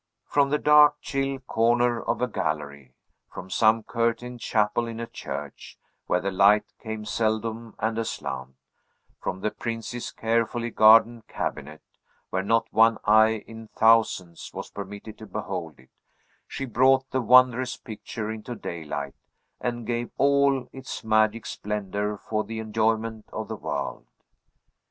From the dark, chill corner of a gallery, from some curtained chapel in a church, where the light came seldom and aslant, from the prince's carefully guarded cabinet, where not one eye in thousands was permitted to behold it, she brought the wondrous picture into daylight, and gave all its magic splendor for the enjoyment of the world.